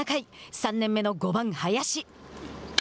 ３年目の５番林。